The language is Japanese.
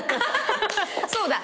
そうだ。